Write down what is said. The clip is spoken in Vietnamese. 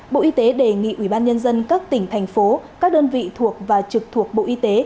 bộ y tế đề nghị ubnd các tỉnh thành phố các đơn vị thuộc và trực thuộc bộ y tế